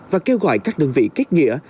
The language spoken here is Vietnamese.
và kêu gọi các đơn vị kết nghĩa